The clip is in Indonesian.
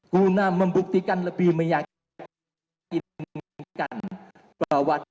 guna membuktikan lebih meyakinkan bahwa